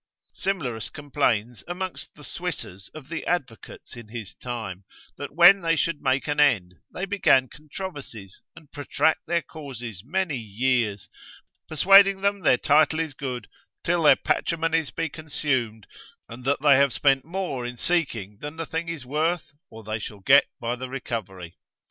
Simlerus complains amongst the Swissers of the advocates in his time, that when they should make an end, they began controversies, and protract their causes many years, persuading them their title is good, till their patrimonies be consumed, and that they have spent more in seeking than the thing is worth, or they shall get by the recovery.